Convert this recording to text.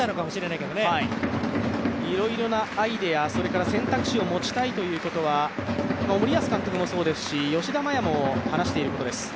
いろいろなアイデア、それから選択肢を持ちたいということは森保監督もそうですし吉田麻也も話していることです。